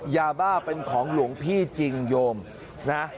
ยาบ้าเป็นของหลวงพี่จริงโยมนะ